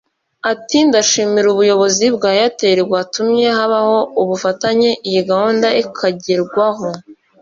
Ati “Ndashimira ubuyobozi bwa Airtel bwatumye habaho ubufatanye iyi gahunda ikagerwaho